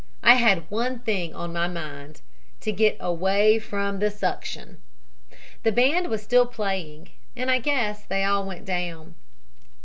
I had one thing on my mind to get away from the suction. The band was still playing, and I guess they all went down.